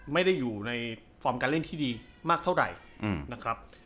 ไม่ได้อยู่ในฟอร์มการเล่นที่ดีมากเท่าไหร่นะครับ